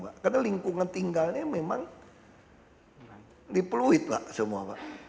karena lingkungan tinggalnya memang di pluit semua pak